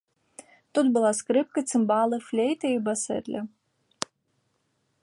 Тут была скрыпка, цымбалы, флейта і басэтля.